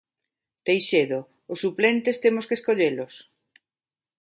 Teixedo, ¿os suplentes, temos que escollelos?